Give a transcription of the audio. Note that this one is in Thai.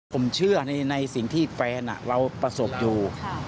ผมเชื่อในสิ่งที่แฟนเราประสบอยู่